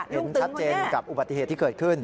เห็นชัดเจนกับอุบัติเหตุที่เกิดขึ้น